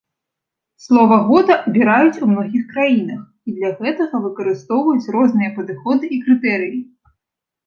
Слова года абіраюць у многіх краінах і для гэтага выкарыстоўваюць розныя падыходы і крытэрыі.